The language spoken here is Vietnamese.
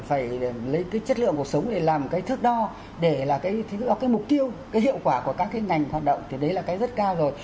phải lấy cái chất lượng cuộc sống để làm cái thước đo để là cái mục tiêu cái hiệu quả của các cái ngành hoạt động thì đấy là cái rất cao rồi